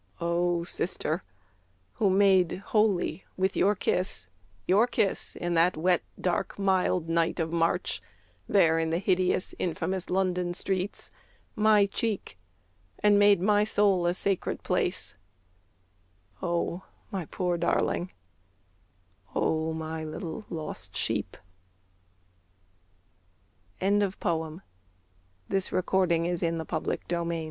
O sister who made holy with your kiss, Your kiss in that wet dark mild night of March There in the hideous infamous London streets My cheek, and made my soul a sacred place, O my poor darling, O my little lost sheep! THE NE